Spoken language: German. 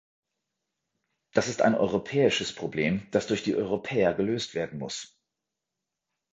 Das ist ein europäisches Problem, das durch die Europäer gelöst werden muss.